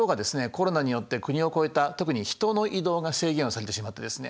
コロナによって国を越えた特に人の移動が制限をされてしまってですね